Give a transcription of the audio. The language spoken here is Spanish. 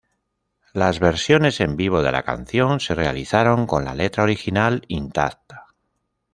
Las versiones en vivo de la canción se realizaron con la letra original intacta.